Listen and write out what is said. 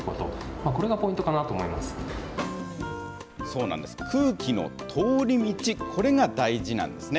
そうなんです、空気の通り道、これが大事なんですね。